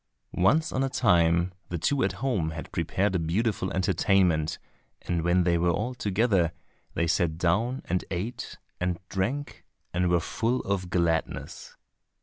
Once on a time the two at home had prepared a beautiful entertainment, and when they were all together, they sat down and ate and drank and were full of gladness.